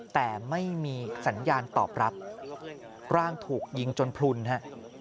แต่ไม่มีสัญญาณตอบรับร่างถูกยิงจนพลุนฮะ